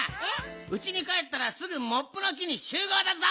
うちにかえったらすぐモップの木にしゅうごうだぞ！